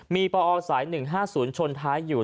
มีปอสาย๑๕๐ชนท้ายอยู่